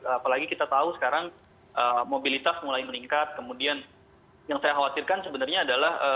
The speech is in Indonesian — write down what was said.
apalagi kita tahu sekarang mobilitas mulai meningkat kemudian yang saya khawatirkan sebenarnya adalah